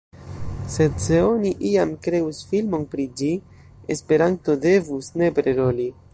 Sed se oni iam kreus filmon pri ĝi, Esperanto devus nepre roli.